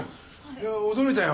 いや驚いたよ。